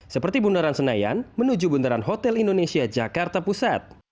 seperti bundaran senayan menuju bundaran hotel indonesia jakarta pusat